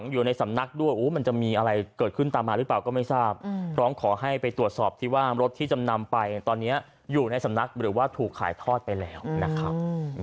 อยู่ในสำนักหรือว่าถูกขายทอดไปแล้วนะครับ